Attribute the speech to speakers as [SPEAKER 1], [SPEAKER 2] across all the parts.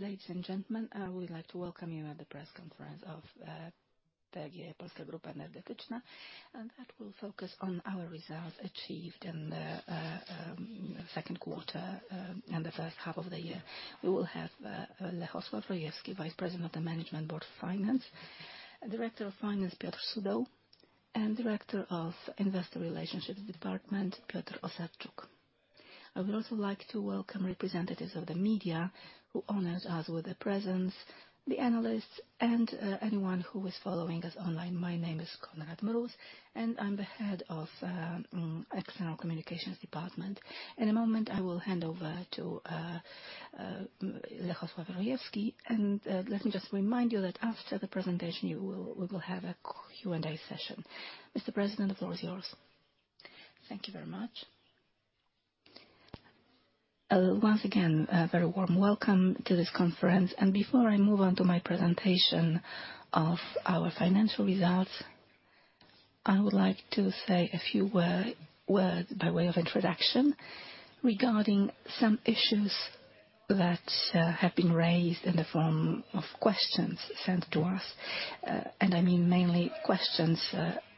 [SPEAKER 1] Ladies, and gentlemen, I would like to welcome you at the Press Conference of PGE Polska Grupa Energetyczna, and that will focus on our results achieved in the second quarter and the first half of the year. We will have Lechosław Rojewski, Vice President of the Management Board of Finance, Director of Finance, Piotr Sudoł, and Director of Investor Relations Department, Filip Osadczuk. I would also like to welcome representatives of the media, who honors us with their presence, the analysts, and anyone who is following us online. My name is Konrad Mróz, and I'm the head of External Communications department. In a moment, I will hand over to Lechosław Rojewski. Let me just remind you that after the presentation, we will have a Q&A session. Mr. President, the floor is yours. Thank you very much. Once again, a very warm welcome to this conference. And before I move on to my presentation of our financial results, I would like to say a few words by way of introduction regarding some issues that have been raised in the form of questions sent to us, and I mean, mainly questions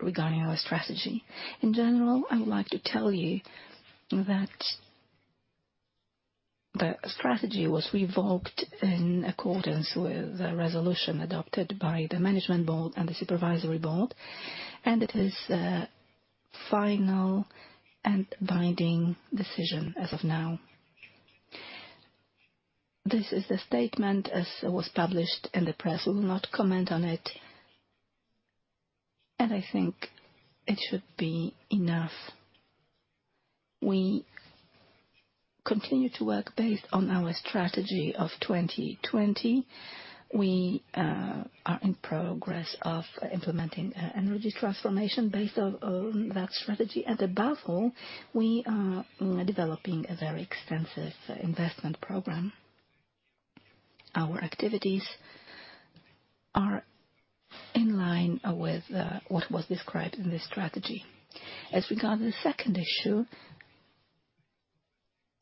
[SPEAKER 1] regarding our strategy. In general, I would like to tell you that the strategy was revoked in accordance with the resolution adopted by the management board and the supervisory board, and it is a final and binding decision as of now. This is the statement as it was published in the press. We will not comment on it, and I think it should be enough. We continue to work based on our strategy of 2020. We are in progress of implementing energy transformation based on that strategy. Above all, we are developing a very extensive investment program. Our activities are in line with what was described in this strategy. As regard the second issue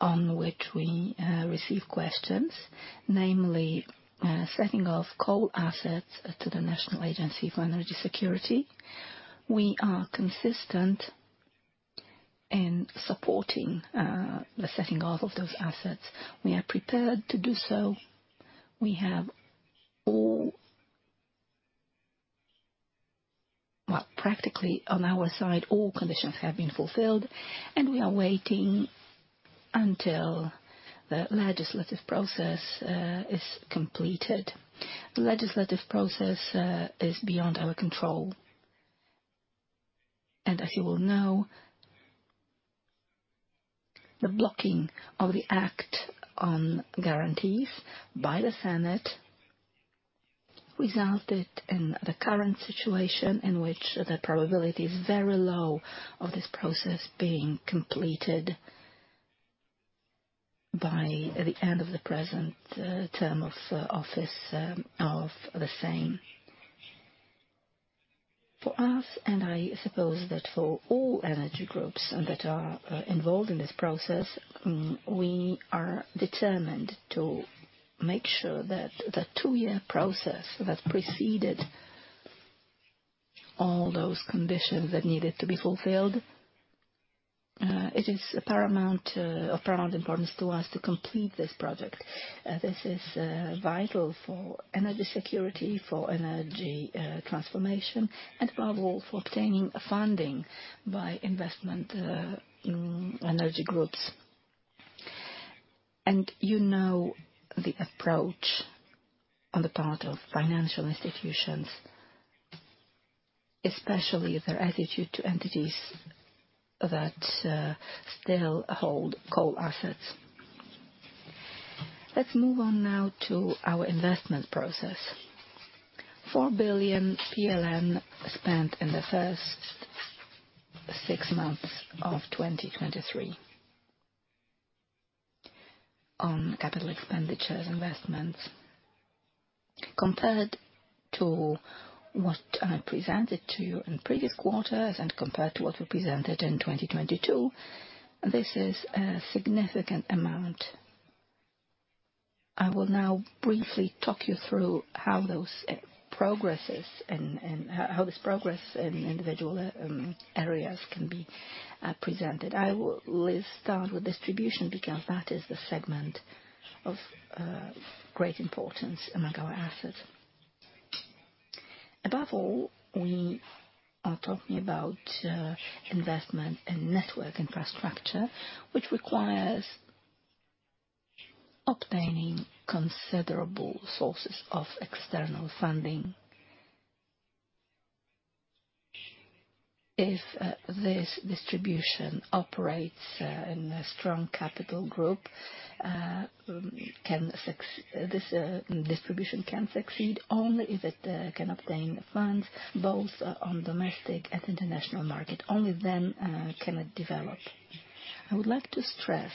[SPEAKER 1] on which we receive questions, namely, setting off coal assets to the National Agency for Energy Security, we are consistent in supporting the setting off of those assets. We are prepared to do so. We have all... Well, practically, on our side, all conditions have been fulfilled, and we are waiting until the legislative process is completed. The legislative process is beyond our control, and as you well know, the blocking of the act on guarantees by the Senate resulted in the current situation, in which the probability is very low of this process being completed by the end of the present term of office of the same. For us, and I suppose that for all energy groups that are involved in this process, we are determined to make sure that the two-year process that preceded all those conditions that needed to be fulfilled, it is of paramount importance to us to complete this project. This is vital for energy security, for energy transformation, and above all, for obtaining funding by investment energy groups. And you know, the approach on the part of financial institutions, especially their attitude to entities that still hold coal assets. Let's move on now to our investment process. 4 billion PLN spent in the first six months of 2023 on capital expenditures, investments. Compared to what I presented to you in previous quarters and compared to what we presented in 2022, this is a significant amount. I will now briefly talk you through how those progresses and how this progress in individual areas can be presented. I will start with distribution, because that is the segment of great importance among our assets. Above all, we are talking about investment in network infrastructure, which requires obtaining considerable sources of external funding. If this distribution operates in a strong capital group, this distribution can succeed only if it can obtain funds, both on domestic and international market. Only then can it develop. I would like to stress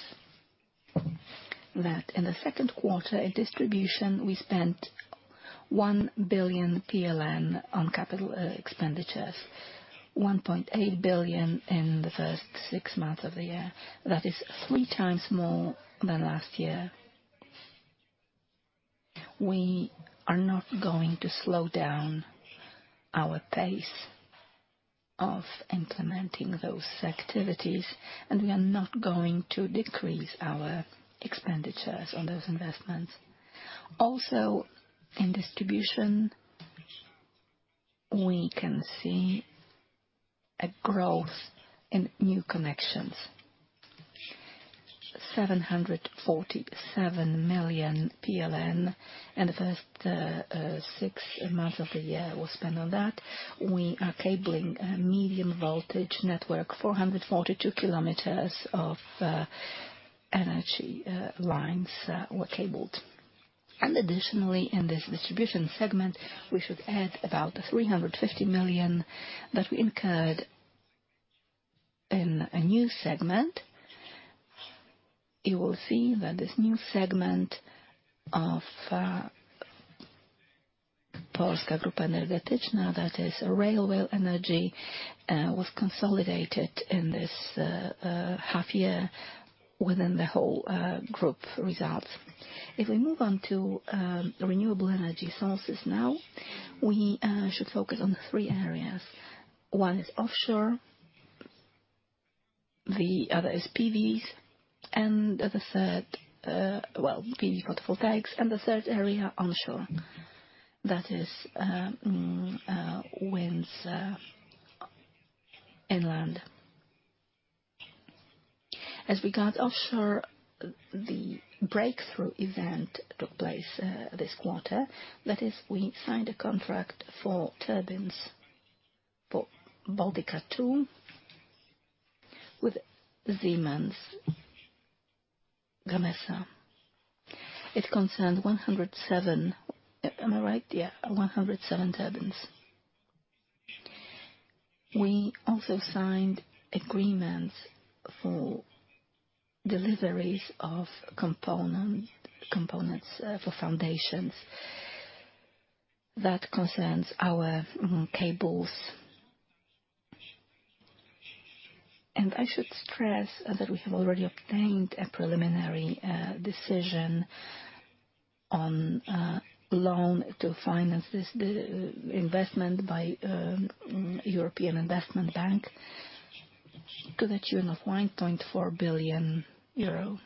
[SPEAKER 1] that in the second quarter, in distribution, we spent 1 billion PLN on capital expenditures, 1.8 billion in the first six months of the year. That is three times more than last year. We are not going to slow down our pace of implementing those activities, and we are not going to decrease our expenditures on those investments. Also, in distribution, we can see a growth in new connections. 747 million PLN in the first six months of the year was spent on that. We are cabling a medium voltage network, 442 km of energy lines were cabled. And additionally, in this distribution segment, we should add about 350 million that we incurred in a new segment. You will see that this new segment of Polska Grupa Energetyczna, that is railway energy, was consolidated in this half year within the whole group results. If we move on to renewable energy sources now, we should focus on three areas. One is offshore, the other is PVs, and the third, well, PV photovoltaics, and the third area, onshore. That is, winds, inland. As regard offshore, the breakthrough event took place, this quarter. That is, we signed a contract for turbines for Baltica 2, with Siemens Gamesa. It concerns 107. Am I right? Yeah, 107 turbines. We also signed agreements for deliveries of component, components, for foundations. That concerns our, cables. And I should stress that we have already obtained a preliminary, decision on, loan to finance this, the, investment by, European Investment Bank to the tune of 1.4 billion euro.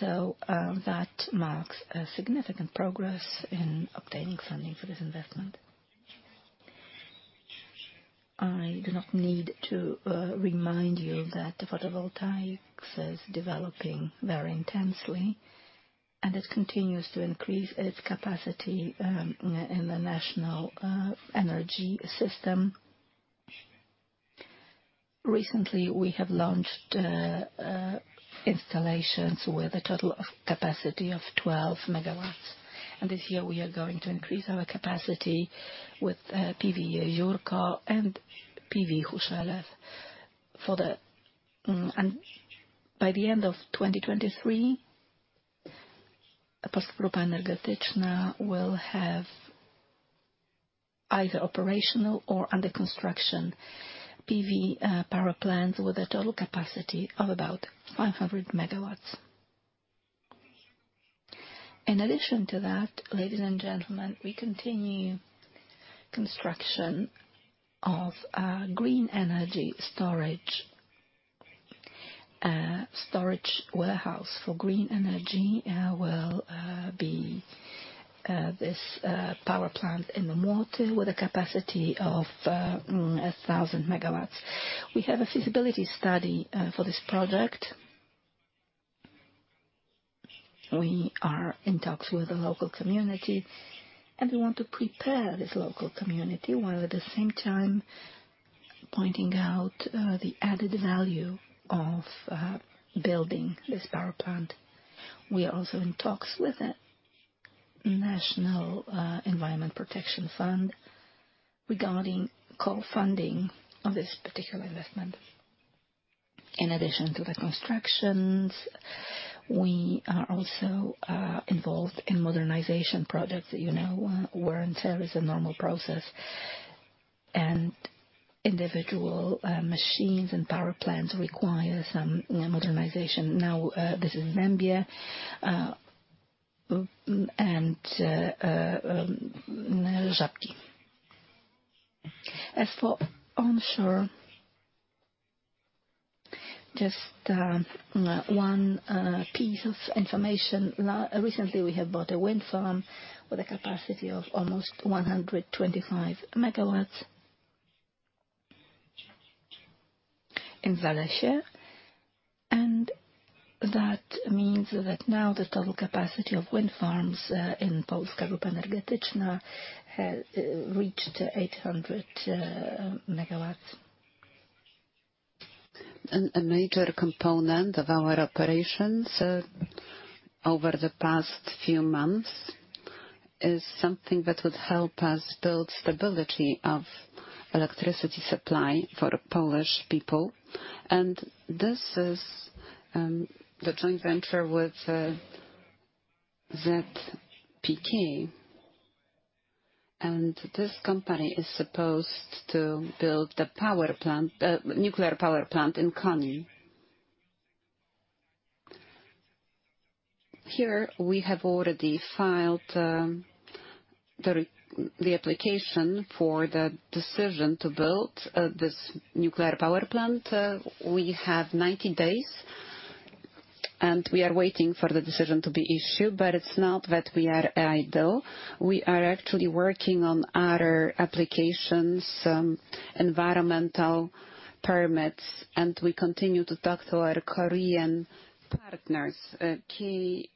[SPEAKER 1] So, that marks a significant progress in obtaining funding for this investment. I do not need to remind you that the photovoltaics is developing very intensely, and it continues to increase its capacity in the national energy system. Recently, we have launched installations with a total capacity of 12 MW, and this year we are going to increase our capacity with PV Jeziórko and PV Huszlew. And by the end of 2023, Polska Grupa Energetyczna will have either operational or under construction PV power plants with a total capacity of about 500 MW. In addition to that, ladies and gentlemen, we continue construction of green energy storage. Storage warehouse for green energy will be this power plant in the Młoty, with a capacity of 1,000 MW. We have a feasibility study for this project. We are in talks with the local community, and we want to prepare this local community, while at the same time pointing out, the added value of, building this power plant. We are also in talks with a national, environment protection fund regarding co-funding of this particular investment. In addition to the constructions, we are also, involved in modernization projects that, you know, wear and tear is a normal process, and individual, machines and power plants require some modernization. Now, this is Porąbka-Żar, and, Żarnowiec. As for onshore, just, one, piece of information. Recently, we have bought a wind farm with a capacity of almost 125 MW in Waliszewo, and that means that now the total capacity of wind farms, in Polska Grupa Energetyczna, reached 800 MW. A major component of our operations over the past few months is something that would help us build stability of electricity supply for Polish people, and this is the joint venture with ZE PAK. This company is supposed to build the power plant, nuclear power plant in Konin. Here, we have already filed the application for the decision to build this nuclear power plant. We have 90 days, and we are waiting for the decision to be issued, but it's not that we are idle. We are actually working on other applications, environmental permits, and we continue to talk to our Korean partners. KHNP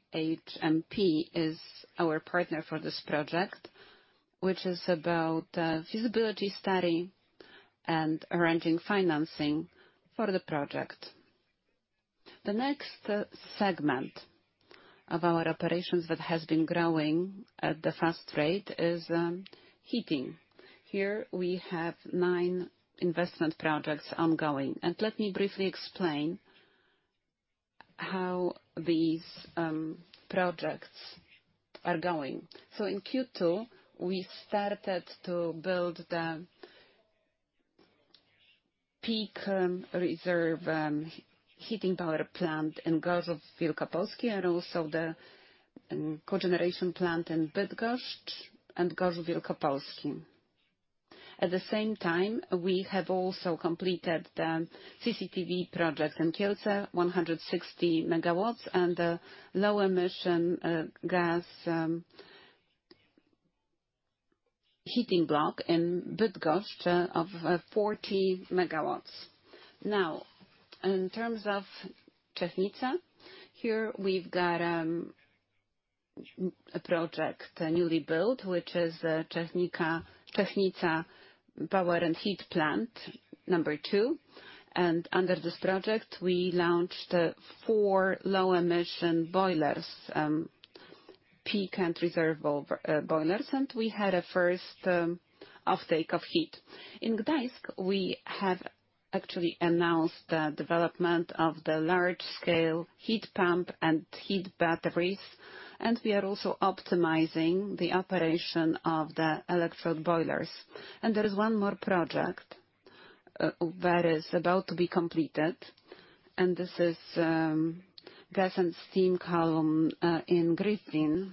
[SPEAKER 1] is our partner for this project, which is about feasibility study and arranging financing for the project. The next segment of our operations that has been growing at the fast rate is heating. Here, we have nine investment projects ongoing, and let me briefly explain how these projects are going. In Q2, we started to build the peak reserve heating power plant in Gorzów Wielkopolski, and also the cogeneration plant in Bydgoszcz and Gorzów Wielkopolski. At the same time, we have also completed the CCGT project in Kielce, 160 MW, and a low-emission gas heating block in Bydgoszcz of 40 MW. Now, in terms of Czechowice, here, we've got a project, newly built, which is Czechowice Power and Heat Plant number two, and under this project, we launched four low-emission boilers, peak and reserve boilers, and we had a first offtake of heat. In Gdańsk, we have actually announced the development of the large-scale heat pump and heat batteries, and we are also optimizing the operation of the electrode boilers. There is one more project that is about to be completed, and this is gas and steam plant in Gryfino.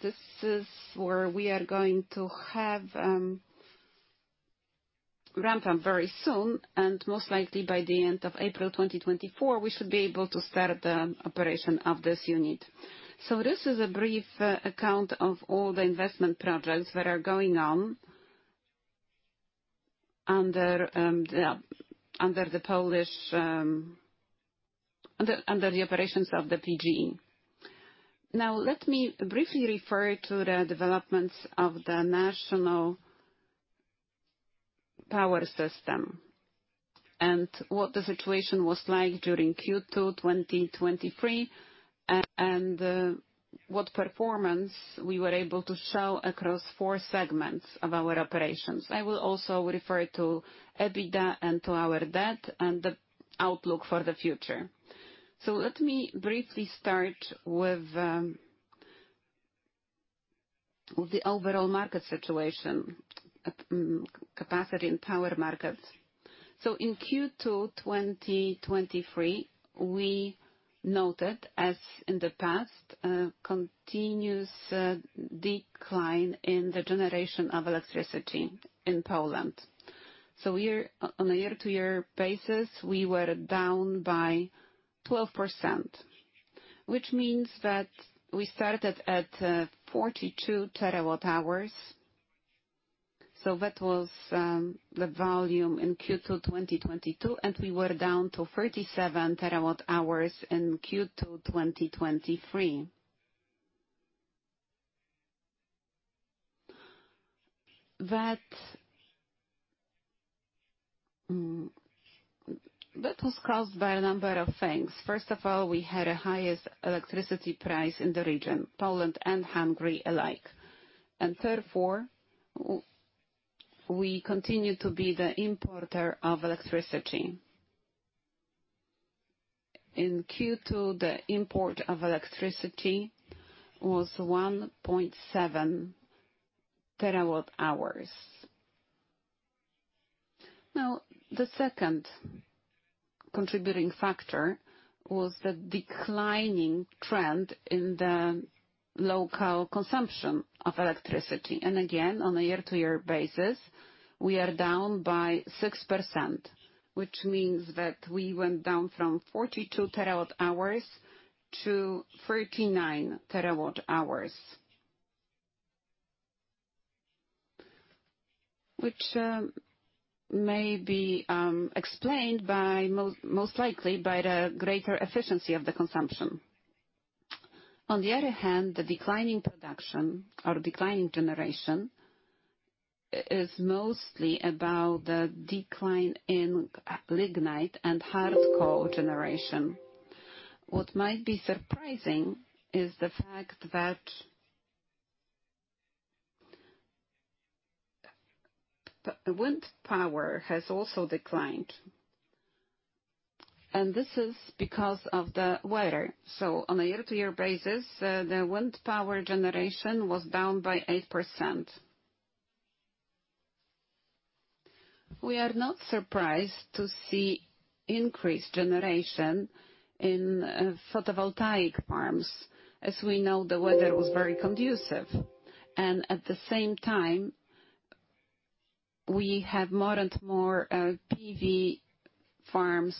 [SPEAKER 1] This is where we are going to have ramp up very soon, and most likely by the end of April 2024, we should be able to start the operation of this unit. So this is a brief account of all the investment projects that are going on under the Polish operations of the PGE. Now, let me briefly refer to the developments of the national power system and what the situation was like during Q2 2023, and what performance we were able to show across four segments of our operations. I will also refer to EBITDA and to our debt and the outlook for the future. Let me briefly start with the overall market situation at capacity and power markets. In Q2 2023, we noted, as in the past, a continuous decline in the generation of electricity in Poland. Year on a year-to-year basis, we were down by 12%, which means that we started at 42 TWh. That was the volume in Q2 2022, and we were down to 37 TWh in Q2 2023. That was caused by a number of things. First of all, we had the highest electricity price in the region, Poland and Hungary alike, and therefore, we continue to be the importer of electricity. In Q2, the import of electricity was 1.7 TWh. Now, the second contributing factor was the declining trend in the local consumption of electricity. And again, on a year-to-year basis, we are down by 6%, which means that we went down from 42 TWh to 39 TWh, which may be explained by, most likely, by the greater efficiency of the consumption. On the other hand, the declining generation is mostly about the decline in lignite and hard coal generation. What might be surprising is the fact that the wind power has also declined, and this is because of the weather. So on a year-to-year basis, the wind power generation was down by 8%. We are not surprised to see increased generation in photovoltaic farms. As we know, the weather was very conducive, and at the same time, we have more and more PV farms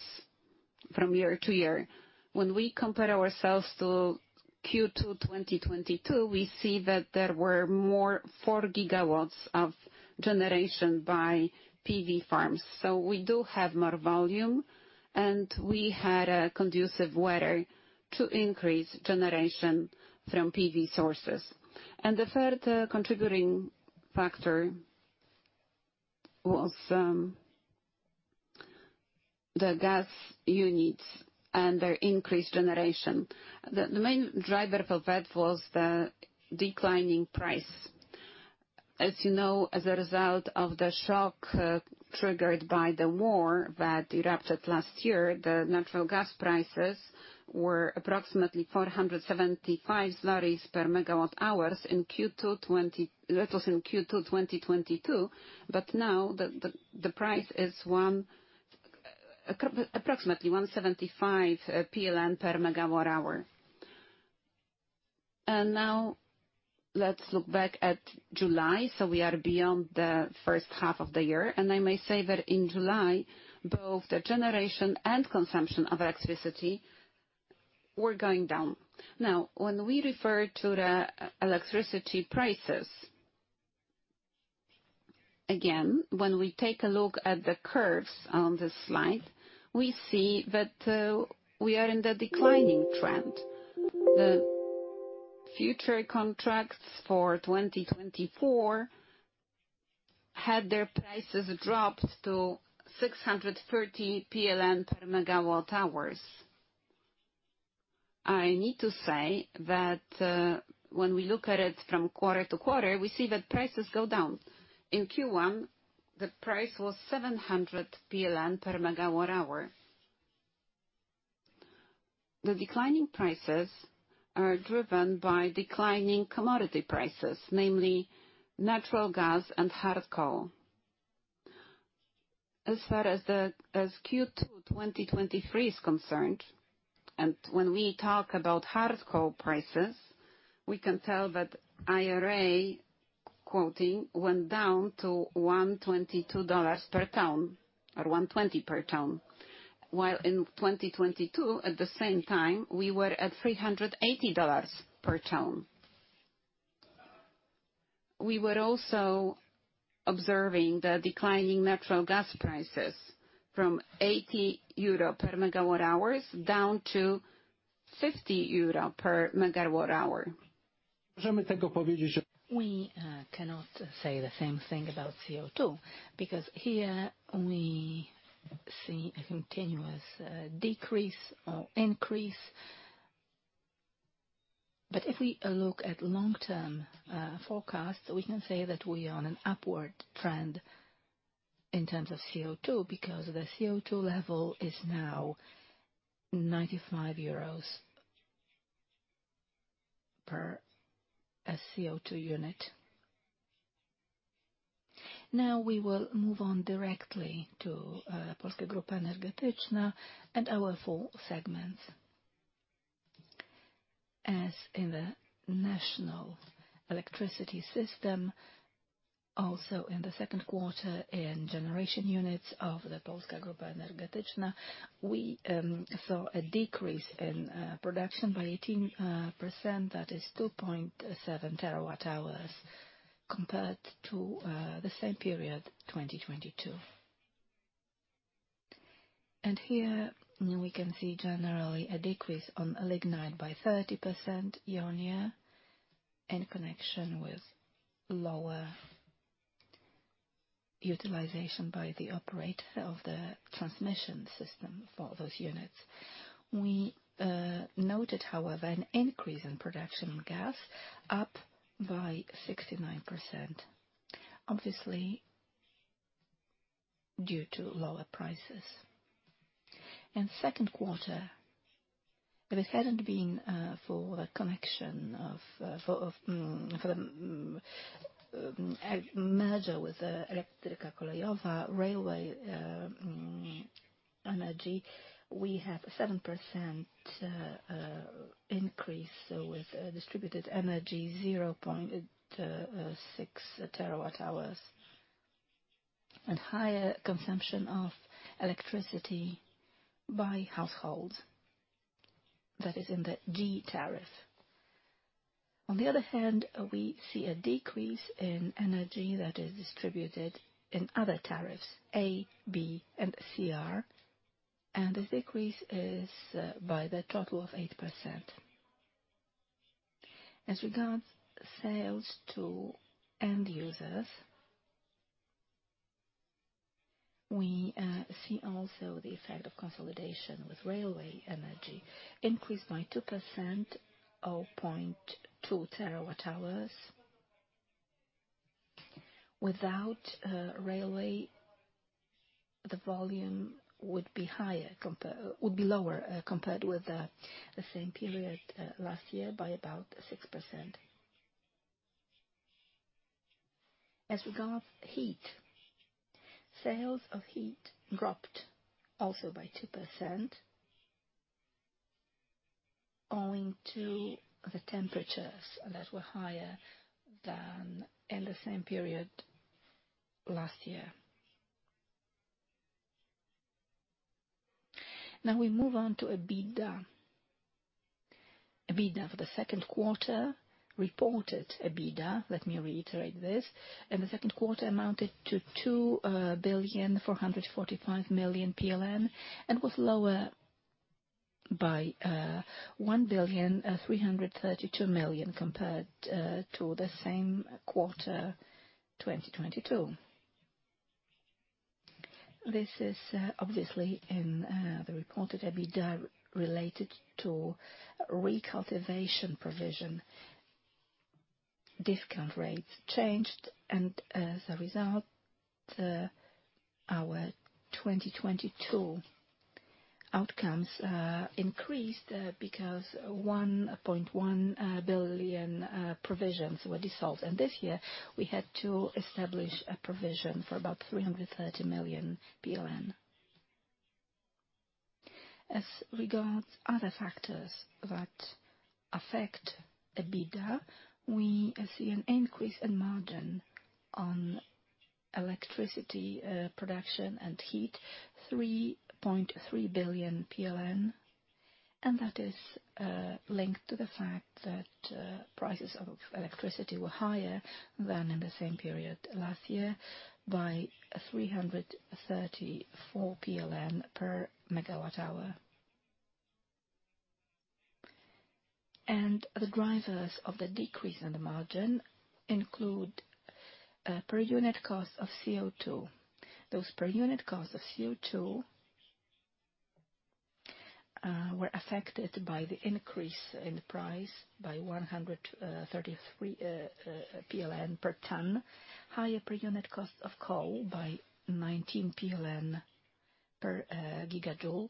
[SPEAKER 1] from year to year. When we compare ourselves to Q2 2022, we see that there were more 4 GW of generation by PV farms. So we do have more volume, and we had a conducive weather to increase generation from PV sources. And the third contributing factor was the gas units and their increased generation. The main driver for that was the declining price. As you know, as a result of the shock triggered by the war that erupted last year, the natural gas prices were approximately 475 per MWh in Q2 2022, but now the price is approximately PLN 175 per MWh. Now let's look back at July, so we are beyond the first half of the year, and I may say that in July, both the generation and consumption of electricity were going down. Now, when we refer to the electricity prices, again, when we take a look at the curves on this slide, we see that we are in the declining trend. The future contracts for 2024 had their prices dropped to 630 PLN per MWh. I need to say that, when we look at it from quarter to quarter, we see that prices go down. In Q1, the price was 700 PLN per MWh. The declining prices are driven by declining commodity prices, namely natural gas and hard coal. As far as Q2 2023 is concerned, and when we talk about hard coal prices, we can tell that ARA quoting went down to $122 per ton, or $120 per ton, while in 2022, at the same time, we were at $380 per ton. We were also observing the declining natural gas prices from 80 euro per MWh, down to 50 euro per MWh. We cannot say the same thing about CO2, because here we see a continuous decrease or increase. But if we look at long-term forecasts, we can say that we are on an upward trend in terms of CO2, because the CO2 level is now 95 EUR per a CO2 unit. Now, we will move on directly to Polska Grupa Energetyczna and our four segments. As in the national electricity system, also in the second quarter, in generation units of the Polska Grupa Energetyczna, we saw a decrease in production by 18%, that is 2.7 TWh, compared to the same period, 2022. And here, we can see generally a decrease on lignite by 30% year-on-year, in connection with lower utilization by the operator of the transmission system for those units. We noted, however, an increase in production gas, up by 69%, obviously, due to lower prices. In second quarter, but it hadn't been for the merger with the PKP Energetyka railway energy, we had a 7% increase, so with distributed energy, 0.6 TWh, and higher consumption of electricity by households, that is in the G tariff. On the other hand, we see a decrease in energy that is distributed in other tariffs, A, B, and CR, and the decrease is by the total of 8%.... As regards sales to end users, we see also the effect of consolidation with railway energy increased by 2%, 0.2 TWh. Without railway, the volume would be lower compared with the same period last year by about 6%. As regards heat, sales of heat dropped also by 2%, owing to the temperatures that were higher than in the same period last year. Now, we move on to EBITDA. EBITDA for the second quarter, reported EBITDA, let me reiterate this, in the second quarter amounted to 2.445 billion, and was lower by 1.332 billion, compared to the same quarter, 2022. This is obviously in the reported EBITDA related to recultivation provision. Discount rates changed, and as a result, our 2022 outcomes increased because 1.1 billion provisions were dissolved, and this year we had to establish a provision for about 330 million PLN. As regards other factors that affect EBITDA, we see an increase in margin on electricity production and heat, 3.3 billion PLN, and that is linked to the fact that prices of electricity were higher than in the same period last year by 334 per MWh. The drivers of the decrease in the margin include per unit cost of CO2. Those per unit cost of CO2 were affected by the increase in the price by 133 PLN per ton, higher per unit cost of coal by 19 PLN per GJ.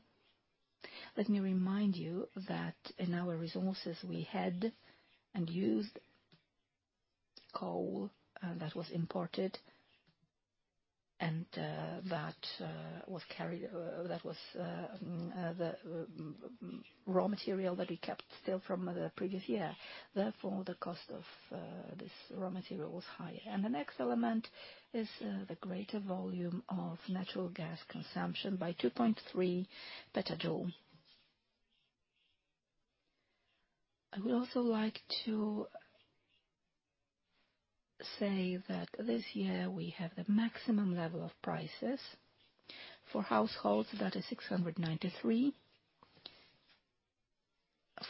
[SPEAKER 1] Let me remind you that in our resources, we had and used coal that was imported and that was carried, the raw material that we kept still from the previous year. Therefore, the cost of this raw material was higher. The next element is the greater volume of natural gas consumption by 2.3 PJ. I would also like to say that this year we have the maximum level of prices. For households, that is 693.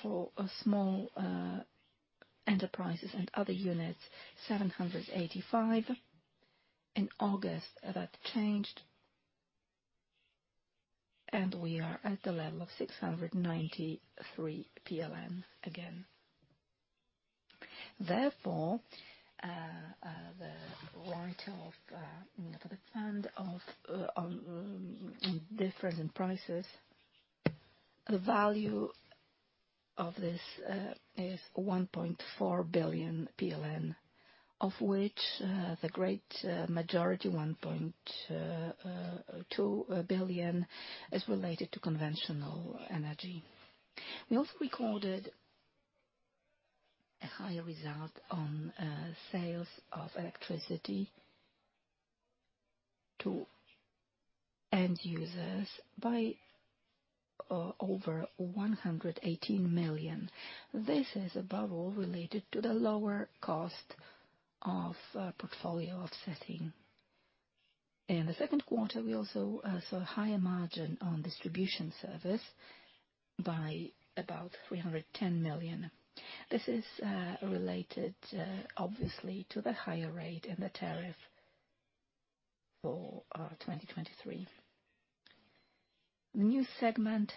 [SPEAKER 1] For small enterprises and other units, 785. In August, that changed, and we are at the level of 693 PLN again. Therefore, the write-off for the fund of difference in prices, the value of this is 1.4 billion PLN, of which the great majority, 1.2 billion, is related to conventional energy. We also recorded a higher result on sales of electricity to end users by over 118 million. This is above all related to the lower cost of portfolio offsetting. In the second quarter, we also saw a higher margin on distribution service by about 310 million. This is related obviously to the higher rate in the tariff for 2023. The new segment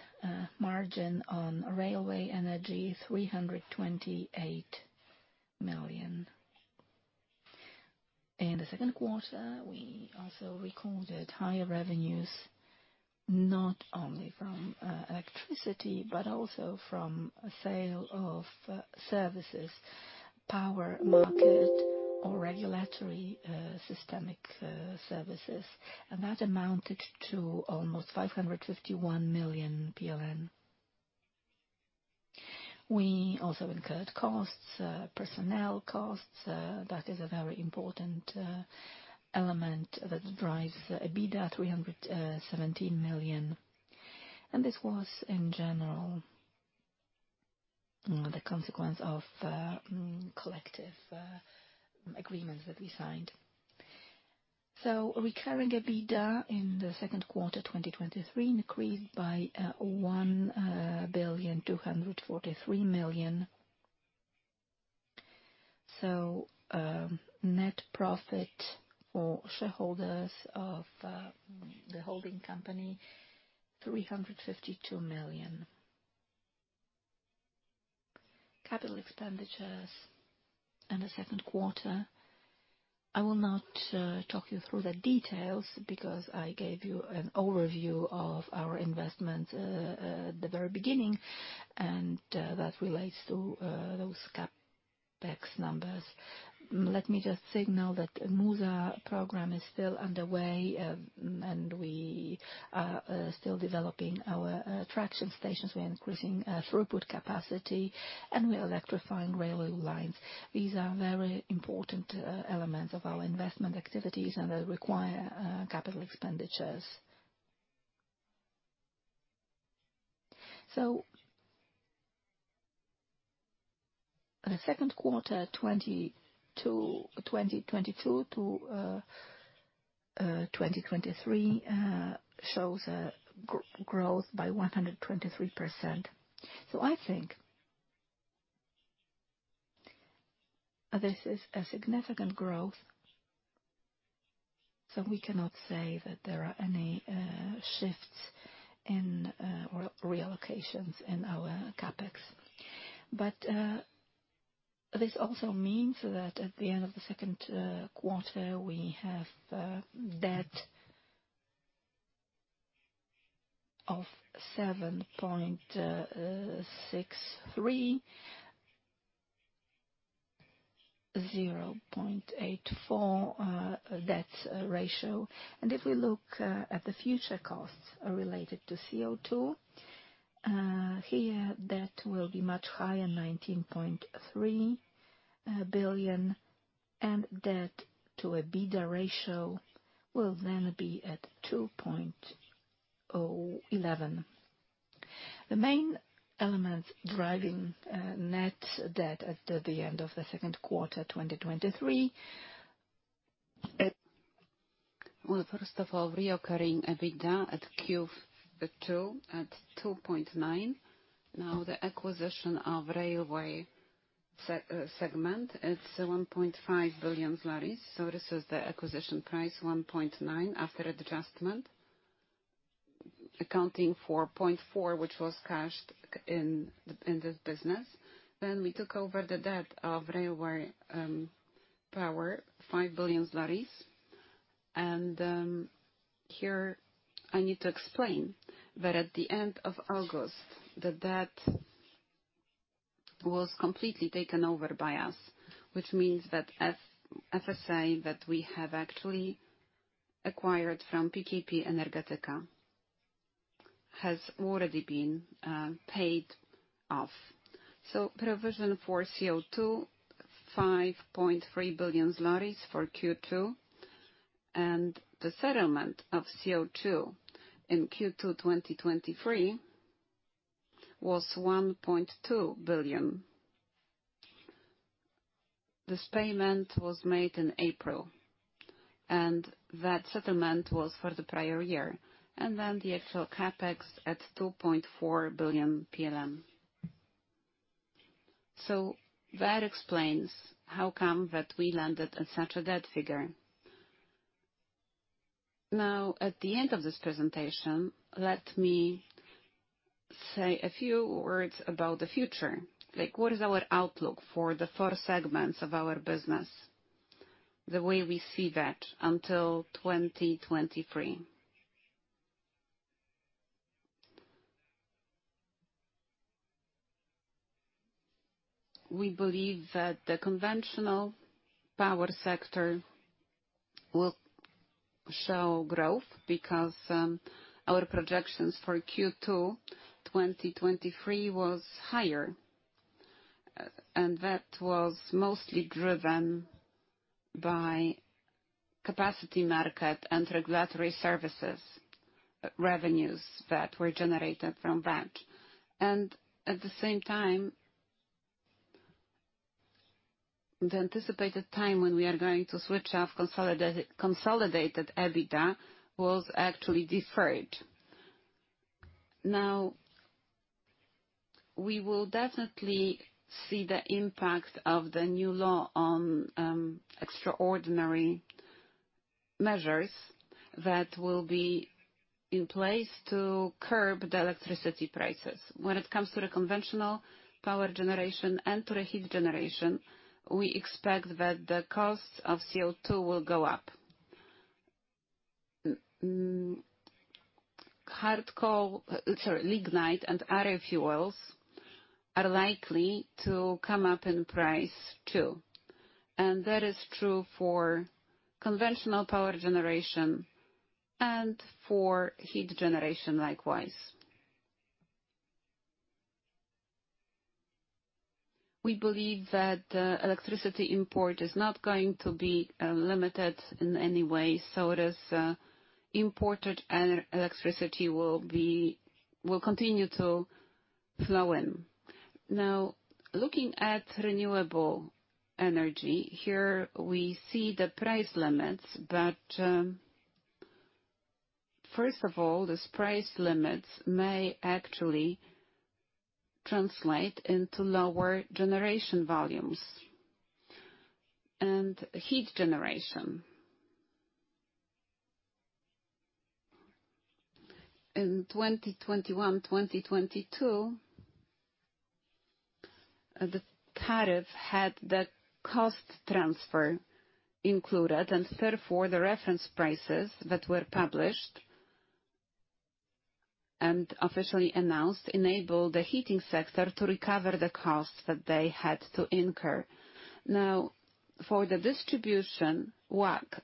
[SPEAKER 1] margin on railway energy, 328 million. In the second quarter, we also recorded higher revenues, not only from electricity, but also from sale of services, power market, or regulatory systemic services, and that amounted to almost 551 million PLN. We also incurred personnel costs. That is a very important element that drives EBITDA, 317 million, and this was, in general, the consequence of collective agreements that we signed.... So recurring EBITDA in the second quarter 2023 increased by 1,243 million. So net profit for shareholders of the holding company PLN 352 million. Capital expenditures in the second quarter, I will not talk you through the details, because I gave you an overview of our investment at the very beginning, and that relates to those CapEx numbers. Let me just signal that MUZA program is still underway, and we are still developing our traction stations. We're increasing throughput capacity, and we're electrifying railway lines. These are very important elements of our investment activities, and they require capital expenditures. So second quarter 2022 to 2023 shows a growth by 123%. So I think, this is a significant growth, so we cannot say that there are any shifts in or reallocations in our CapEx. But this also means that at the end of the second quarter, we have debt of 7.63, 0.84 debt ratio. And if we look at the future costs related to CO2 here, debt will be much higher, 19.3 billion, and debt-to-EBITDA ratio will then be at 2.0-11. The main elements driving net debt at the end of the second quarter, 2023, it, well, first of all, recurring EBITDA at Q2 at 2.9. Now, the acquisition of railway segment, it's 1.5 billion zlotys. So this is the acquisition price, 1.9 billion, after adjustment, accounting for 0.4 billion, which was cashed in, in this business. Then we took over the debt of railway power, 5 billion zlotys. And here, I need to explain that at the end of August, the debt was completely taken over by us, which means that, as I say, that we have actually acquired from PKP Energetyka has already been paid off. So provision for CO2, PLN 5.3 billion for Q2, and the settlement of CO2 in Q2 2023 was PLN 1.2 billion. This payment was made in April, and that settlement was for the prior year, and then the actual CapEx at 2.4 billion. So that explains how come that we landed at such a debt figure. Now, at the end of this presentation, let me say a few words about the future. Like, what is our outlook for the four segments of our business, the way we see that until 2023? We believe that the conventional power sector will show growth, because our projections for Q2 2023 was higher, and that was mostly driven by capacity market and regulatory services revenues that were generated from that. And at the same time, the anticipated time when we are going to switch off consolidated EBITDA was actually deferred. Now, we will definitely see the impact of the new law on extraordinary measures that will be in place to curb the electricity prices. When it comes to the conventional power generation and to the heat generation, we expect that the cost of CO2 will go up. Hard coal, sorry, lignite and other fuels are likely to come up in price, too, and that is true for conventional power generation and for heat generation, likewise. We believe that electricity import is not going to be limited in any way, so it is imported electricity will be, will continue to flow in. Now, looking at renewable energy, here we see the price limits, but first of all, this price limits may actually translate into lower generation volumes and heat generation. In 2021, 2022, the tariff had the cost transfer included, and therefore, the reference prices that were published and officially announced enabled the heating sector to recover the costs that they had to incur. Now, for the distribution, WACC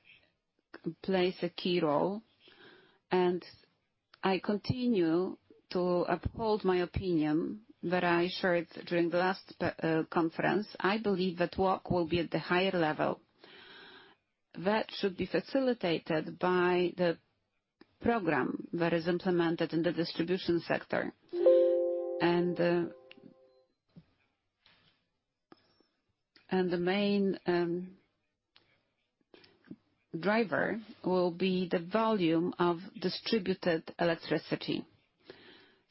[SPEAKER 1] plays a key role, and I continue to uphold my opinion that I shared during the last conference. I believe that WACC will be at the higher level. That should be facilitated by the program that is implemented in the distribution sector. And, and the main driver will be the volume of distributed electricity.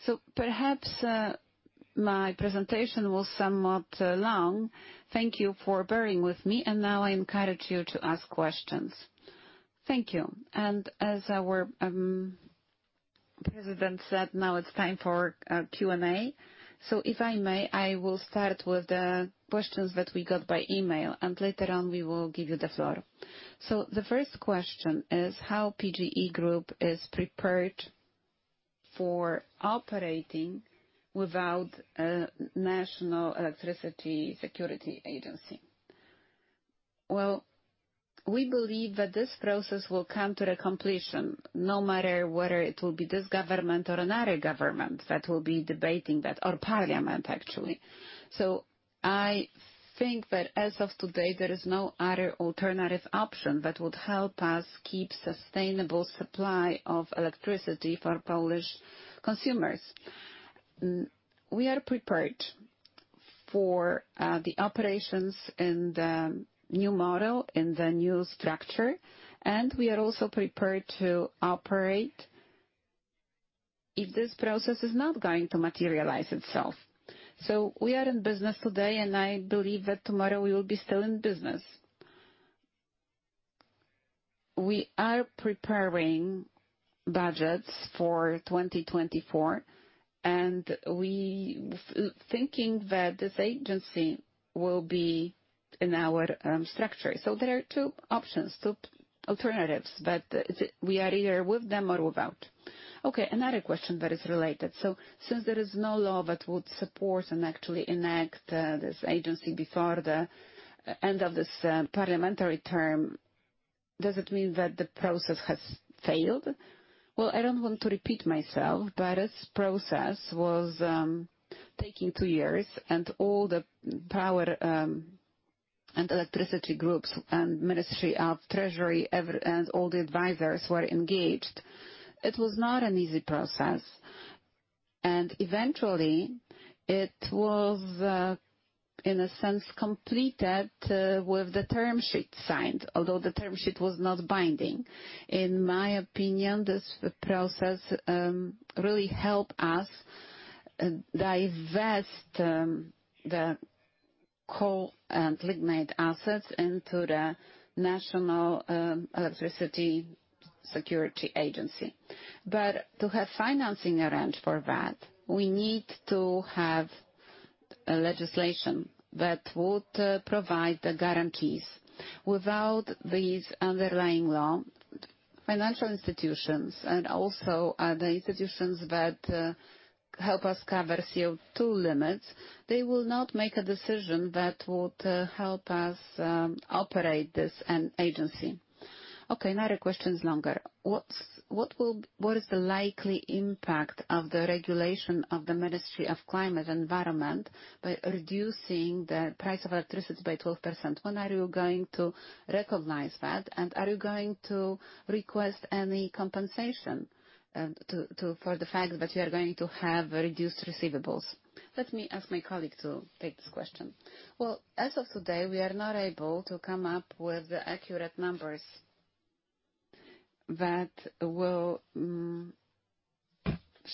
[SPEAKER 1] So perhaps, my presentation was somewhat long. Thank you for bearing with me, and now I encourage you to ask questions. Thank you. And as our President said, now it's time for Q&A. So if I may, I will start with the questions that we got by email, and later on, we will give you the floor. So the first question is how PGE Group is prepared for operating without a National Agency for Energy Security? Well, we believe that this process will come to the completion, no matter whether it will be this government or another government that will be debating that, or parliament, actually. So I think that as of today, there is no other alternative option that would help us keep sustainable supply of electricity for Polish consumers. We are prepared for the operations in the new model, in the new structure, and we are also prepared to operate if this process is not going to materialize itself. We are in business today, and I believe that tomorrow we will be still in business. We are preparing budgets for 2024, and we thinking that this agency will be in our structure. There are two options, two alternatives, but we are either with them or without. Okay, another question that is related. Since there is no law that would support and actually enact this agency before the end of this parliamentary term, does it mean that the process has failed? Well, I don't want to repeat myself, but this process was taking two years, and all the power and electricity groups and Ministry of Treasury and all the advisors were engaged. It was not an easy process, and eventually it was, in a sense, completed with the term sheet signed, although the term sheet was not binding. In my opinion, this process really helped us divest the coal and lignite assets into the National Agency for Energy Security. But to have financing arranged for that, we need to have a legislation that would provide the guarantees. Without these underlying law, financial institutions and also the institutions that help us cover CO2 limits, they will not make a decision that would help us operate this agency. Okay, another question is longer. What is the likely impact of the regulation of the Ministry of Climate and Environment by reducing the price of electricity by 12%? When are you going to recognize that, and are you going to request any compensation for the fact that you are going to have reduced receivables? Let me ask my colleague to take this question. Well, as of today, we are not able to come up with the accurate numbers that will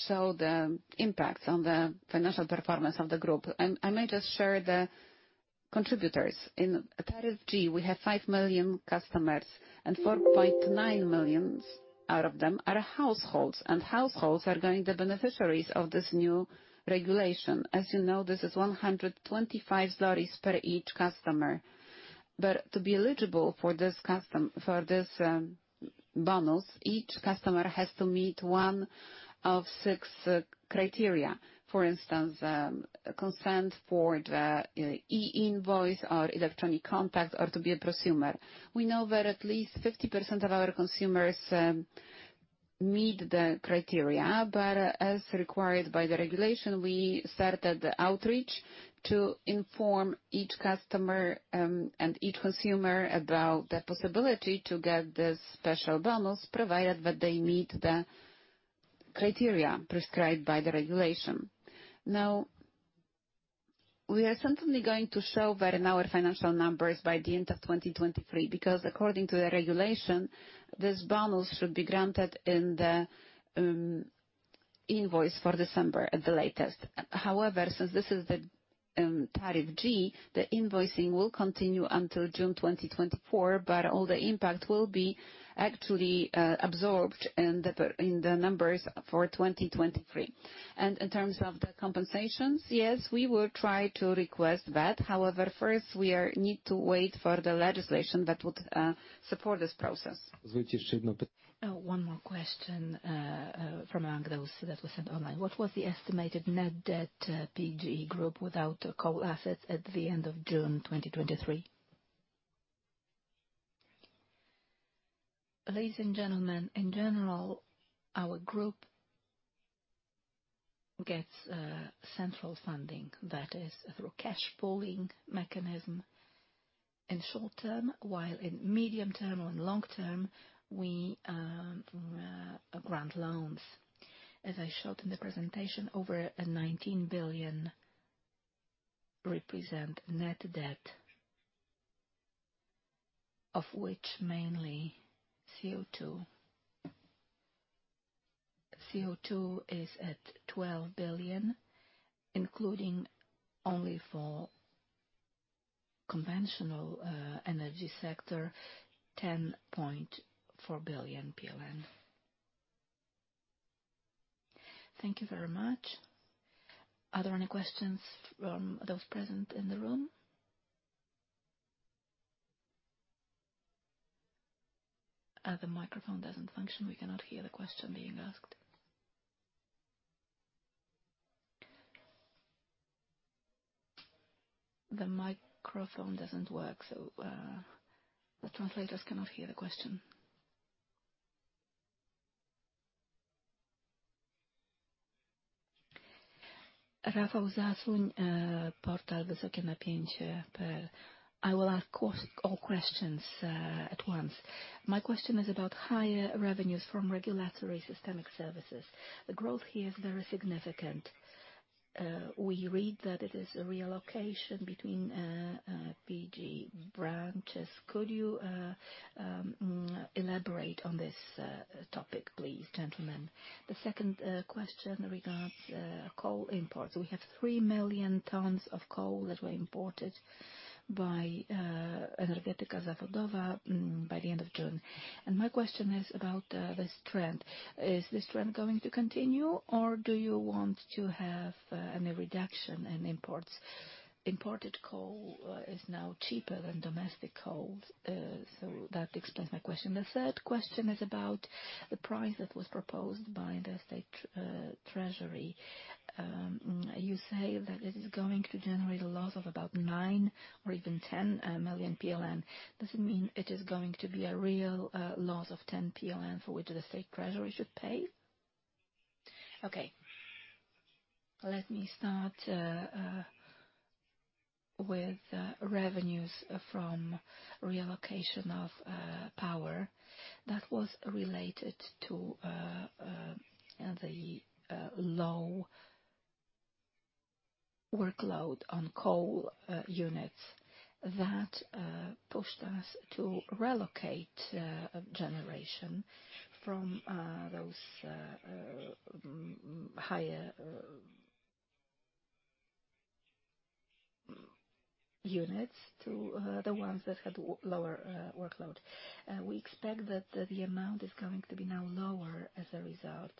[SPEAKER 1] show the impact on the financial performance of the group. And I may just share the contributors. In PGE, we have 5 million customers, and 4.9 million out of them are households, and households are going the beneficiaries of this new regulation. As you know, this is 125 zlotys per each customer. To be eligible for this customer, for this bonus, each customer has to meet one of six criteria. For instance, consent for the e-invoice or electronic contact, or to be a prosumer. We know that at least 50% of our consumers meet the criteria, but as required by the regulation, we started the outreach to inform each customer and each consumer about the possibility to get this special bonus, provided that they meet the criteria prescribed by the regulation. Now-... We are certainly going to show that in our financial numbers by the end of 2023, because according to the regulation, this bonus should be granted in the invoice for December at the latest. However, since this is the tariff G, the invoicing will continue until June 2024, but all the impact will be actually absorbed in the numbers for 2023. And in terms of the compensations, yes, we will try to request that. However, first, we need to wait for the legislation that would support this process. One more question from among those that were sent online. What was the estimated net debt PGE Group without the coal assets at the end of June 2023? Ladies, and gentlemen, in general, our group gets central funding, that is through cash pooling mechanism in short term, while in medium-term or in long term, we grant loans. As I showed in the presentation, over 19 billion represent net debt, of which mainly CO2. CO2 is at 12 billion, including only for conventional energy sector, PLN 10.4 billion. Thank you very much. Are there any questions from those present in the room? The microphone doesn't function. We cannot hear the question being asked. The microphone doesn't work, so the translators cannot hear the question. I will ask all questions at once. My question is about higher revenues from regulatory systemic services. The growth here is very significant. We read that it is a reallocation between PGE branches. Could you elaborate on this topic, please, gentlemen? The second question regards coal imports. We have 3 million tons of coal that were imported by Energetyka Zawodowa by the end of June. My question is about this trend. Is this trend going to continue, or do you want to have a reduction in imports? Imported coal is now cheaper than domestic coal, so that explains my question. The third question is about the price that was proposed by the State Treasury. You say that it is going to generate a loss of about 9 million or even 10 million PLN. Does it mean it is going to be a real loss of 10 million PLN for which the State Treasury should pay? Okay. Let me start with revenues from reallocation of power. That was related to the low workload on coal units. That pushed us to relocate generation from those higher units to the ones that had lower workload. We expect that the amount is going to be now lower as a result.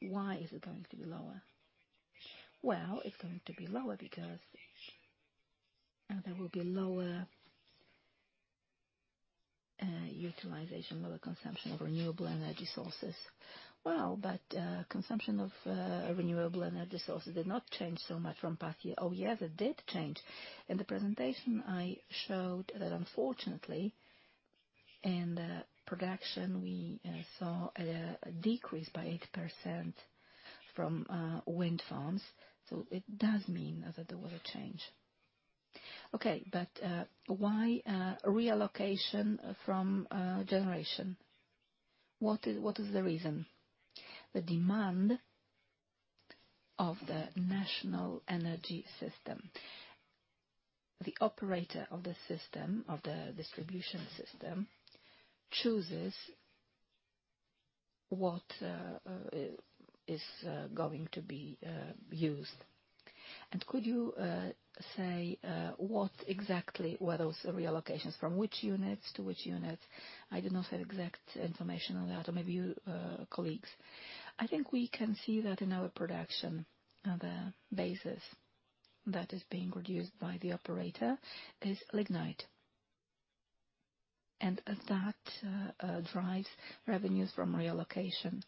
[SPEAKER 1] Why is it going to be lower? Well, it's going to be lower because there will be lower utilization or the consumption of renewable energy sources. Well, but consumption of renewable energy sources did not change so much from past year. Oh, yes, it did change. In the presentation, I showed that unfortunately, in the production, we saw a decrease by 8% from wind farms, so it does mean that there was a change. Okay, but why reallocation from generation? What is the reason? The demand of the national energy system. The operator of the system, of the distribution system, chooses what is going to be used. Could you say what exactly were those reallocations, from which units to which units? I do not have exact information on that, or maybe you, colleagues. I think we can see that in our production, the basis that is being reduced by the operator is lignite, and that drives revenues from reallocation.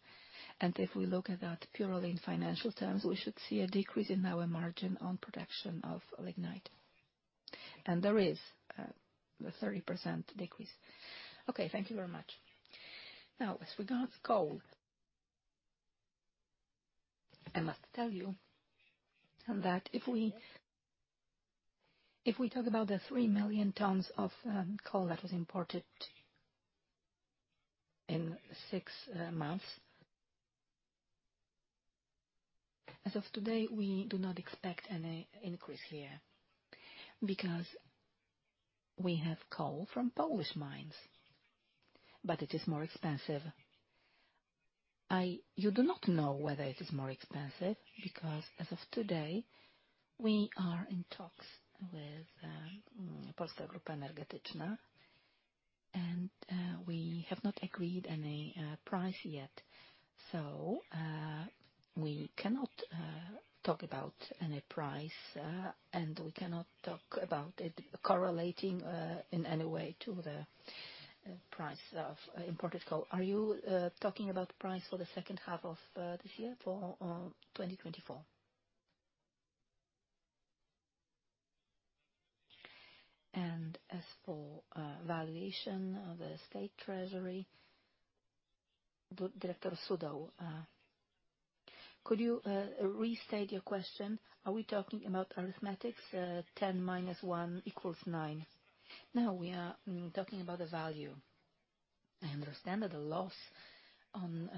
[SPEAKER 1] If we look at that purely in financial terms, we should see a decrease in our margin on production of lignite. And there is a 30% decrease. Okay, thank you very much. Now, as regards coal, I must tell you that if we talk about the 3 million tons of coal that was imported... in 6 months. As of today, we do not expect any increase here, because we have coal from Polish mines, but it is more expensive. You do not know whether it is more expensive, because as of today, we are in talks with Polska Grupa Energetyczna, and we have not agreed any price yet. So, we cannot talk about any price, and we cannot talk about it correlating in any way to the price of imported coal. Are you talking about price for the second half of this year or 2024? And as for valuation of the State Treasury, Director Sudol, could you restate your question? Are we talking about arithmetics? 10-1=9. No, we are, mm, talking about the value. I understand that the loss on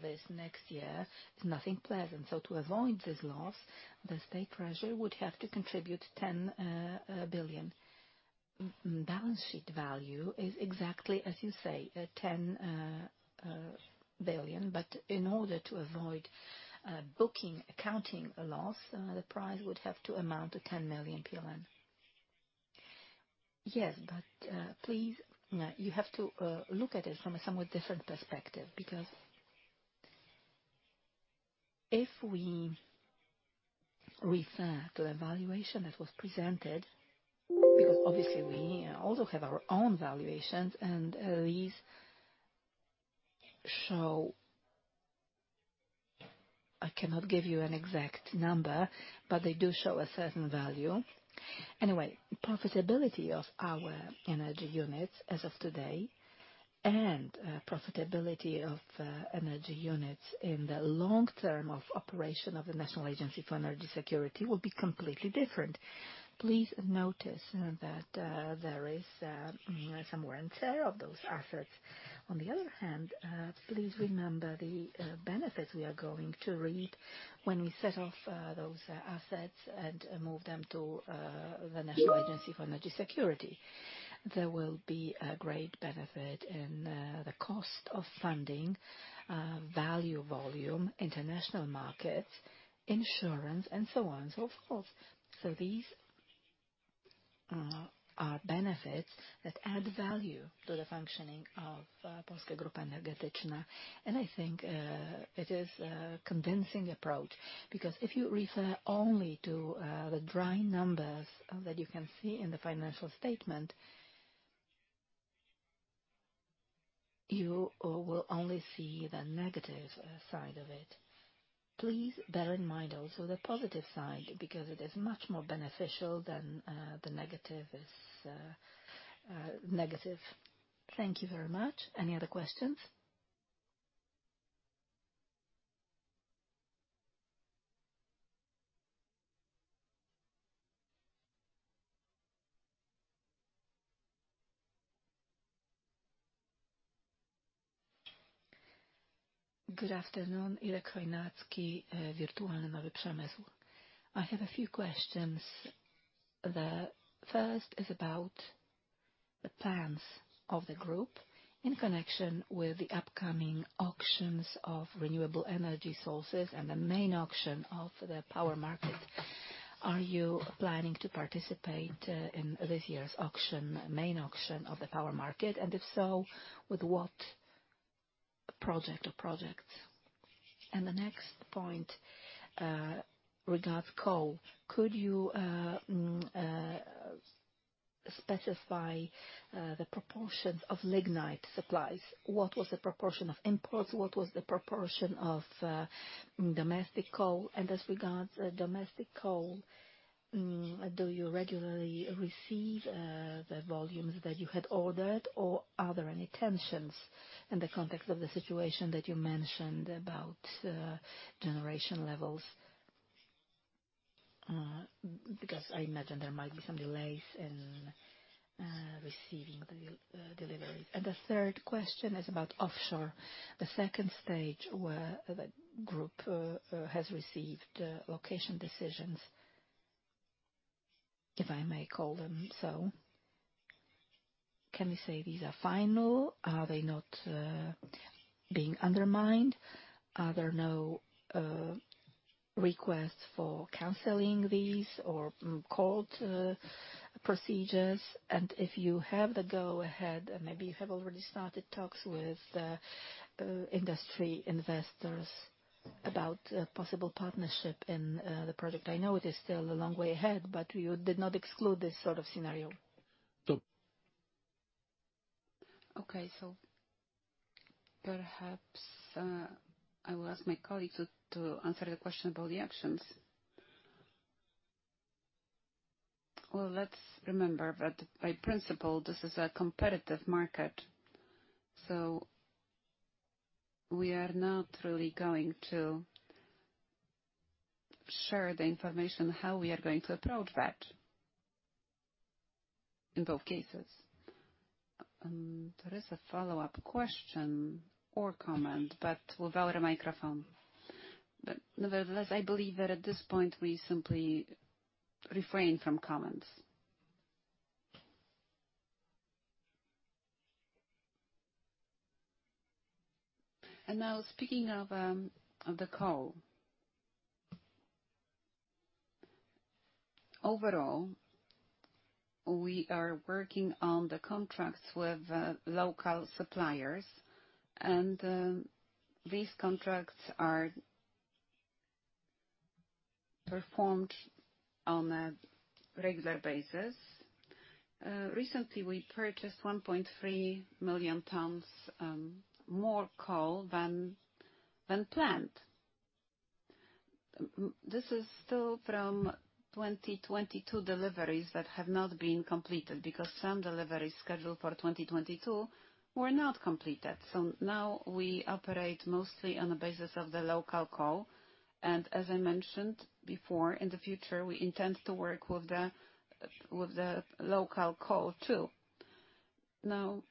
[SPEAKER 1] this next year is nothing pleasant. So to avoid this loss, the State Treasury would have to contribute 10 billion. Mm, balance sheet value is exactly as you say, 10 billion, but in order to avoid booking accounting a loss, the price would have to amount to 10 million PLN. Yes, but please, no, you have to look at it from a somewhat different perspective, because if we refer to the valuation that was presented, because obviously we also have our own valuations and these show... I cannot give you an exact number, but they do show a certain value. Anyway, profitability of our energy units as of today, and profitability of energy units in the long term of operation of the National Agency for Energy Security will be completely different. Please notice that there is some wear and tear of those assets. On the other hand, please remember the benefits we are going to reap when we set off those assets and move them to the National Agency for Energy Security. There will be a great benefit in the cost of funding, value, volume, international markets, insurance, and so on and so forth. So these are benefits that add value to the functioning of Polska Grupa Energetyczna. I think it is a convincing approach, because if you refer only to the dry numbers that you can see in the financial statement, you will only see the negative side of it. Please bear in mind also the positive side, because it is much more beneficial than the negative is negative. Thank you very much. Any other questions? Good afternoon, Irek Chojnacki, Wirtualny Nowy Przemysł. I have a few questions. The first is about the plans of the group in connection with the upcoming auctions of renewable energy sources and the main auction of the power market. Are you planning to participate in this year's auction, main auction of the power market? And if so, with what project or projects? The next point regards coal. Could you specify the proportions of lignite supplies? What was the proportion of imports, what was the proportion of domestic coal? And as regards domestic coal, do you regularly receive the volumes that you had ordered, or are there any tensions in the context of the situation that you mentioned about generation levels? Because I imagine there might be some delays in receiving the delivery. And the third question is about offshore. The second stage, where the group has received location decisions, if I may call them so. Can we say these are final? Are they not being undermined? Are there no requests for canceling these or court procedures? And if you have the go-ahead, and maybe you have already started talks with industry investors about a possible partnership in the project. I know it is still a long way ahead, but you did not exclude this sort of scenario. Okay. So perhaps, I will ask my colleague to answer the question about the actions. Well, let's remember that by principle, this is a competitive market, so we are not really going to-... share the information, how we are going to approach that, in both cases. There is a follow-up question or comment, but without a microphone. But nevertheless, I believe that at this point, we simply refrain from comments. Now, speaking of the coal. Overall, we are working on the contracts with local suppliers, and these contracts are performed on a regular basis. Recently, we purchased 1.3 million tons more coal than planned. This is still from 2022 deliveries that have not been completed, because some deliveries scheduled for 2022 were not completed. So now we operate mostly on the basis of the local coal, and as I mentioned before, in the future, we intend to work with the local coal too. Now,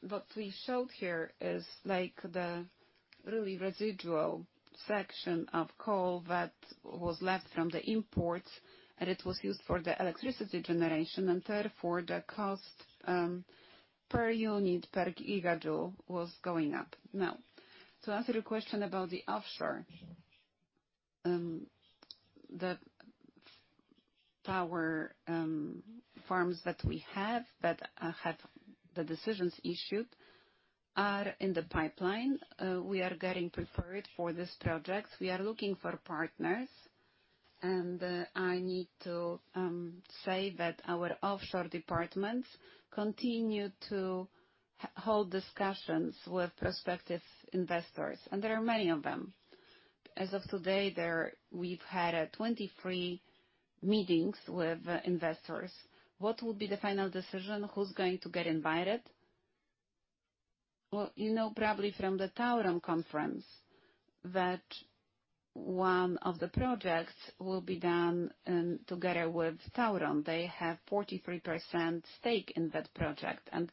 [SPEAKER 1] what we showed here is like the really residual section of coal that was left from the imports, and it was used for the electricity generation, and therefore, the cost per unit, per gigajoule was going up. Now, to answer your question about the offshore power farms that we have that have the decisions issued are in the pipeline. We are getting prepared for this project. We are looking for partners, and I need to say that our offshore departments continue to hold discussions with prospective investors, and there are many of them. As of today, we've had 23 meetings with investors. What will be the final decision? Who's going to get invited? Well, you know, probably from the Tauron conference, that one of the projects will be done together with Tauron. They have 43% stake in that project. And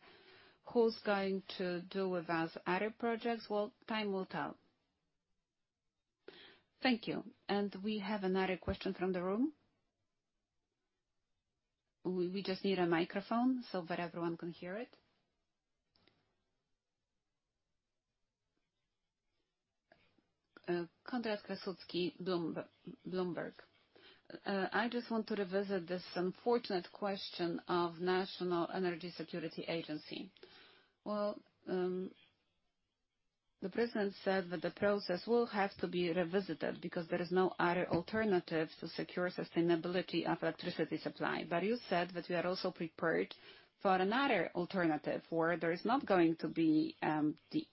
[SPEAKER 1] who's going to do with us other projects? Well, time will tell. Thank you. And we have another question from the room. We just need a microphone so that everyone can hear it. Konrad Krasucki, Bloomberg. I just want to revisit this unfortunate question of National Agency for Energy Security. Well, the president said that the process will have to be revisited because there is no other alternative to secure sustainability of electricity supply. But you said that we are also prepared for another alternative, where there is not going to be the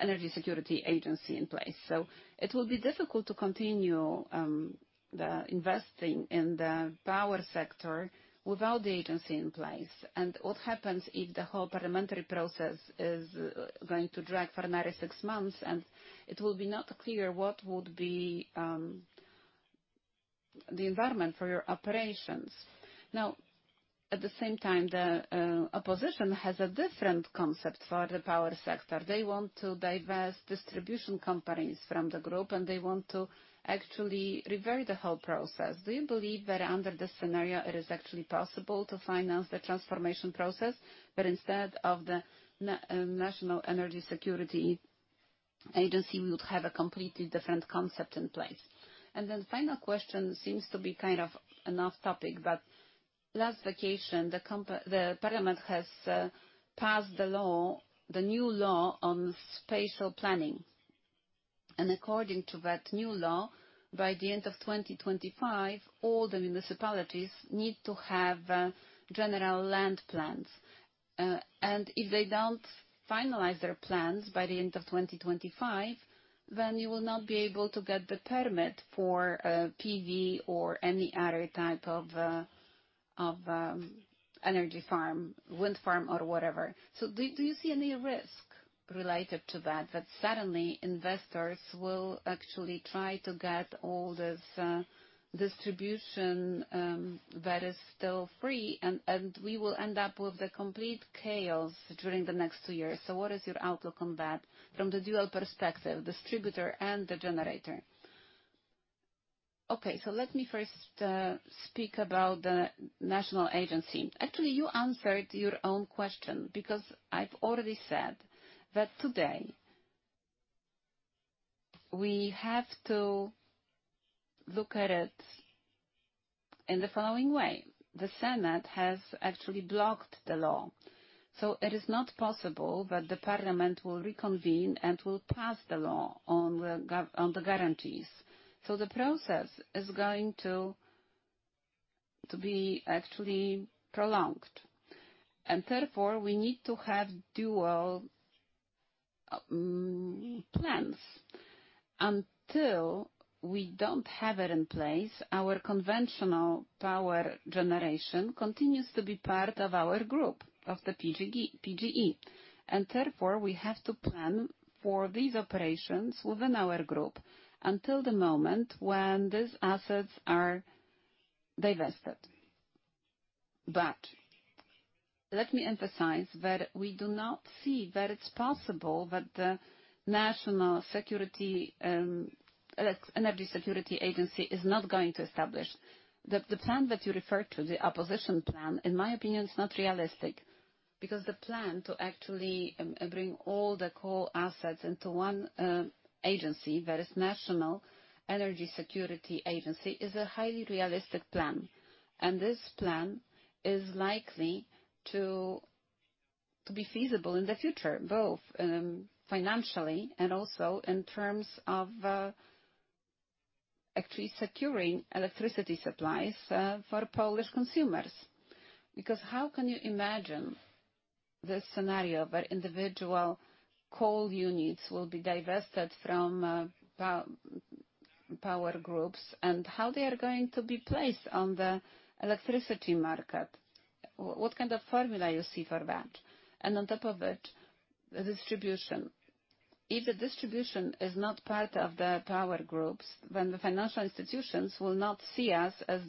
[SPEAKER 1] energy security agency in place. So it will be difficult to continue the investing in the power sector without the agency in place. And what happens if the whole parliamentary process is going to drag for another six months, and it will be not clear what would be the environment for your operations? Now, at the same time, the opposition has a different concept for the power sector. They want to divest distribution companies from the group, and they want to actually revert the whole process. Do you believe that under this scenario, it is actually possible to finance the transformation process, but instead of the National Agency for Energy Security, we would have a completely different concept in place? And then final question seems to be kind of off topic, but last vacation, the parliament has passed the law, the new law on spatial planning. According to that new law, by the end of 2025, all the municipalities need to have general land plans. And if they don't finalize their plans by the end of 2025, then you will not be able to get the permit for PV or any other type of energy farm, wind farm or whatever. So do you see any risk related to that, that suddenly investors will actually try to get all this distribution that is still free, and we will end up with a complete chaos during the next two years? So what is your outlook on that from the dual perspective, distributor and the generator? Okay, so let me first speak about the National Agency. Actually, you answered your own question, because I've already said that today, we have to look at it in the following way. The Senate has actually blocked the law, so it is not possible that the parliament will reconvene and will pass the law on the guarantees. So the process is going to be actually prolonged, and therefore, we need to have dual plans. Until we don't have it in place, our conventional power generation continues to be part of our group, of the PGE. And therefore, we have to plan for these operations within our group until the moment when these assets are divested. But let me emphasize that we do not see that it's possible that the National Agency for Energy Security is not going to establish. The plan that you referred to, the opposition plan, in my opinion, is not realistic, because the plan to actually bring all the core assets into one agency that is National Agency for Energy Security, is a highly realistic plan, and this plan is likely to be feasible in the future, both financially and also in terms of actually securing electricity supplies for Polish consumers. Because how can you imagine the scenario where individual coal units will be divested from power groups, and how they are going to be placed on the electricity market? What kind of formula you see for that? And on top of it, the distribution. If the distribution is not part of the power groups, then the financial institutions will not see us as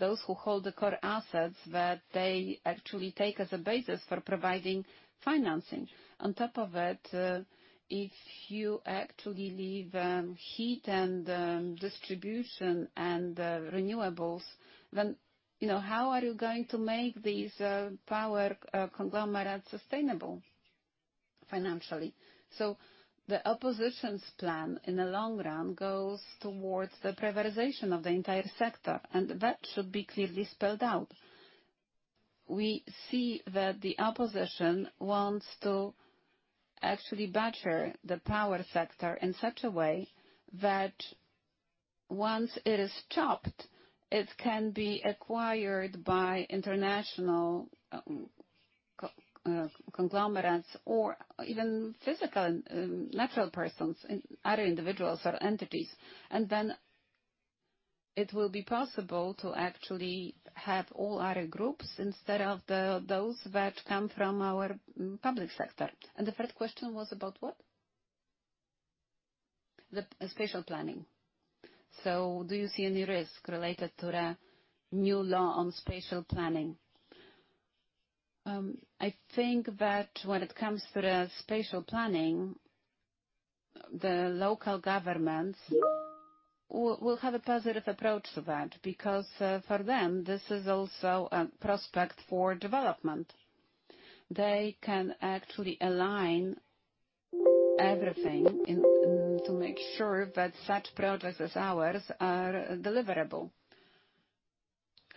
[SPEAKER 1] those who hold the core assets that they actually take as a basis for providing financing. On top of it, if you actually leave heat and distribution and renewables, then, you know, how are you going to make these power conglomerate sustainable financially? So the opposition's plan, in the long run, goes towards the privatization of the entire sector, and that should be clearly spelled out. We see that the opposition wants to actually butcher the power sector in such a way that once it is chopped, it can be acquired by international conglomerates or even physical natural persons and other individuals or entities. Then it will be possible to actually have all other groups instead of those that come from our public sector. The third question was about what? The spatial planning. So do you see any risk related to the new law on spatial planning? I think that when it comes to the spatial planning, the local governments will have a positive approach to that, because for them, this is also a prospect for development. They can actually align everything to make sure that such projects as ours are deliverable.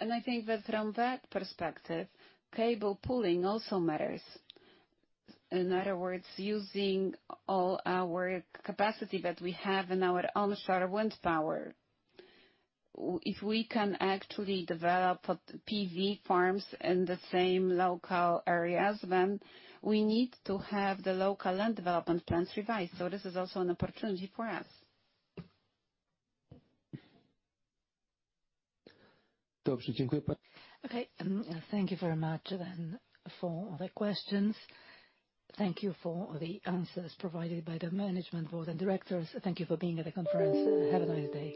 [SPEAKER 1] I think that from that perspective, cable pooling also matters. In other words, using all our capacity that we have in our onshore wind power. If we can actually develop PV farms in the same local areas, then we need to have the local land development plans revised. This is also an opportunity for us. Okay, thank you very much, then, for the questions. Thank you for the answers provided by the management board and directors. Thank you for being at the conference. Have a nice day.